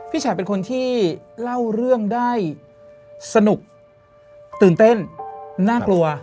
ฉายเป็นคนที่เล่าเรื่องได้สนุกตื่นเต้นน่ากลัว